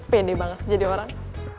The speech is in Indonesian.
pede banget sih jadi orang